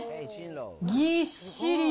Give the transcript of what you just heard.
ぎっしり。